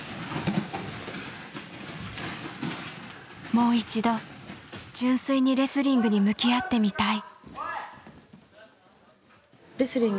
もう一度純粋にレスリングに向き合ってみたい。